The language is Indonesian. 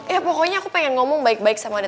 ya pokoknya aku pengen ngomong baik baik sama ada